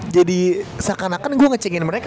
jadi seakan akan gue ngecengin mereka